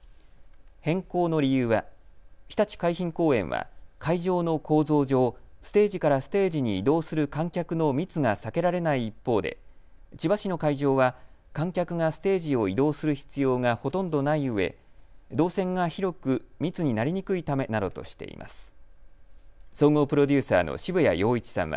変更の理由はひたち海浜公園は会場の構造上、ステージからステージに移動する観客の密が避けられない一方で千葉市の会場は観客がステージを移動する必要がほとんどないうえ動線が広く密になりにくいためなどとしています。